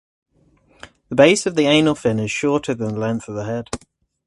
The base of the anal fin is shorter than the length of the head.